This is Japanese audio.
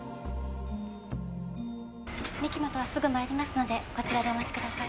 御木本はすぐ参りますのでこちらでお待ちください。